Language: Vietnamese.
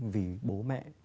vì bố mẹ